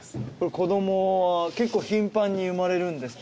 子供は頻繁に生まれるんですか？